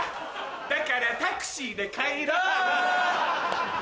だからタクシーで帰ろう！